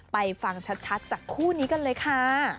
ไปฟังชัดจากคู่นี้กันเลยค่ะ